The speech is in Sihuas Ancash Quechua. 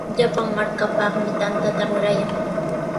Llapan markapaqmi tantata rurayan.